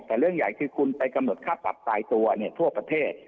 แต่เรื่องใหญ่คือคุณไปกำหนดค่าปรับตายตัวทั่วประเทศ